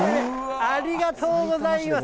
ありがとうございます。